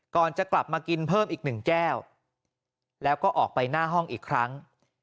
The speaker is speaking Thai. ก่อนจะกลับมากินเพิ่มอีกหนึ่งแก้วแล้วก็ออกไปหน้าห้องอีกครั้ง